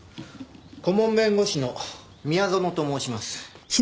顧問弁護士の宮園と申します。